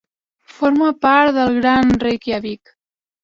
Forma part del Gran Reykjavík.